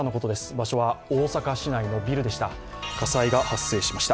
場所は大阪市内のビルでした。